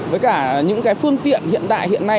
với cả những cái phương tiện hiện đại hiện nay